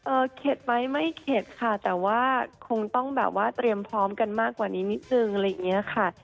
เข็ดไหมไม่เข็ดค่ะแต่ว่าคงต้องแบบว่าเตรียมพร้อมกันมากกว่านี้นิดนึงอะไรอย่างเงี้ยค่ะ